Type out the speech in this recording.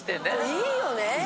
良いよね。